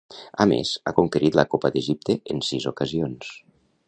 A més, ha conquerit la Copa d'Egipte en sis ocasions.